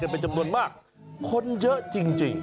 เป็นจำนวนมากคนเยอะจริง